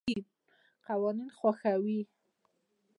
قوانین خوښوي.